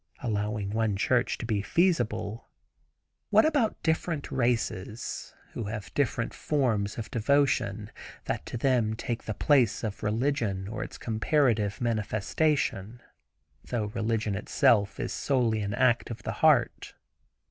Allowing one church to be feasible, what about different races, who have different forms of devotion that to them take the place of religion or its comparative manifestation, though religion itself is solely an act of the heart.